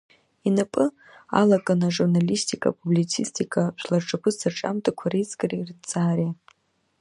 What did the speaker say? Инапы алакын ажурналистика, апублицистика, жәлар рҿаԥыцтә рҿиамҭақәа реизгареи рыҭҵаареи.